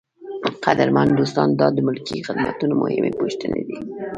قدرمنو دوستانو دا د ملکي خدمتونو مهمې پوښتنې دي.